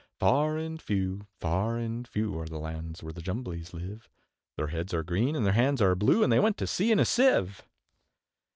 Far and few, far and few, Are the lands where the Jumblies live; Their heads are green, and their hands are blue, And they went to sea in a Sieve.